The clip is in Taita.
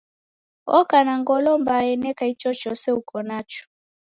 Oko na ngolo mbaa eneka ichochose uko nacho.